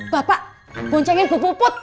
bapak poncengin bu puput